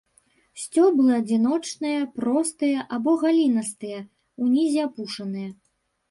Сцёблы адзіночныя, простыя або галінастыя, унізе апушаныя.